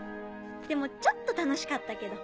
でもちょっと楽しかったけど。